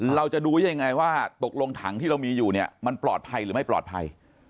เราจะดูได้ยังไงว่าตกลงถังที่เรามีอยู่เนี่ยมันปลอดภัยหรือไม่ปลอดภัย